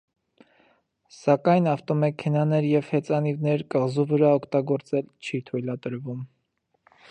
Սակայն, ավտոմեքենաներ և հեծանիվներ կղզու վրա օգտագործել չի թույլատրվում։